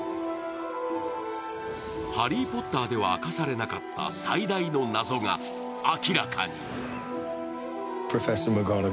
「ハリー・ポッター」では明かされなかった最大の謎が明らかに。